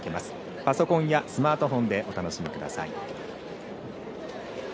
パソコンやスマートフォンでお楽しみください。